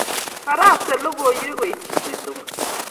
Baraste logoiwek koitchi biik tugul